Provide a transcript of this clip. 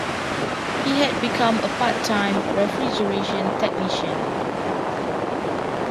He had become a part-time refrigeration technician.